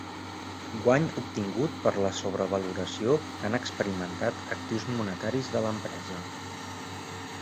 Guany obtingut per la sobrevaloració que han experimentat actius monetaris de l'empresa.